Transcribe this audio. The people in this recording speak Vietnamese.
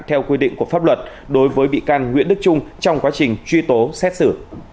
theo quy định của pháp luật đối với bị can nguyễn đức trung trong quá trình truy tố xét xử